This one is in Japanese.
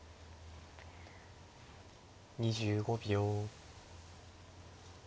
２５秒。